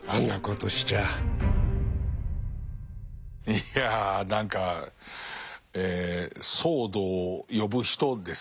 いや何かえ騒動を呼ぶ人ですね。